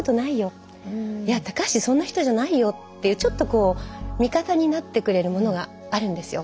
橋そんな人じゃないよっていうちょっとこう味方になってくれるものがあるんですよ。